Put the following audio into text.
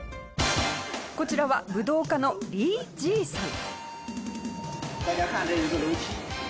こちらは武道家のリー・ジーさん。